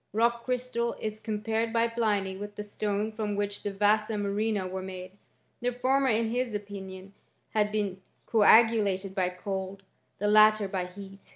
Rock crystal is compared by Pliny with the stonft from which the vasa murrhina were made ; the former, in his opinion, had been coagulated by cold, the lattet by heat.